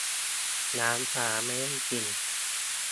'น้ำฟ้าไม่ได้กิน